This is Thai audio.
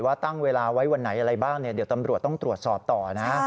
ว่าตั้งเวลาไว้วันไหนอะไรบ้างเดี๋ยวตำรวจต้องตรวจสอบต่อนะ